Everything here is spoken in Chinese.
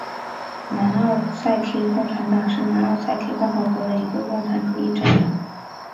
南奥塞梯共产党是南奥塞梯共和国的一个共产主义政党。